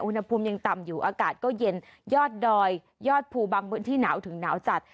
อุณหภูมิยังต่ำอยู่อากาศก็เย็นยอดดอยยอดภูบางพื้นที่หนาวถึงหนาวจัด